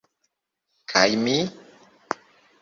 Kaj mi?